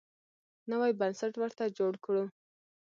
نوی بنسټ ورته جوړ کړو.